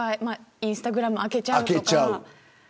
インスタグラム開けちゃうとか。